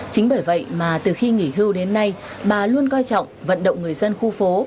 chính bởi vậy mà từ khi nghỉ hưu đến nay bà luôn coi trọng vận động người dân khu phố